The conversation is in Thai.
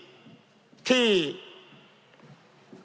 จำนวนเนื้อที่ดินทั้งหมด๑๒๒๐๐๐ไร่